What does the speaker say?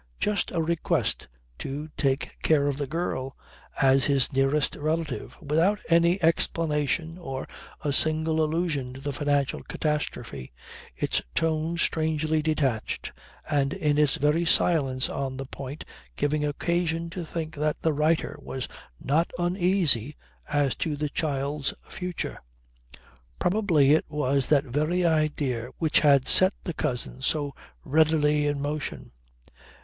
Just a request to take care of the girl as her nearest relative without any explanation or a single allusion to the financial catastrophe, its tone strangely detached and in its very silence on the point giving occasion to think that the writer was not uneasy as to the child's future. Probably it was that very idea which had set the cousin so readily in motion.